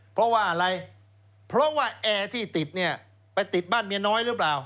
เพราะว่าอะไรเพราะว่าแอร์ที่ติดเนี่ยไปติดบ้านเมียน้อยหรือเปล่า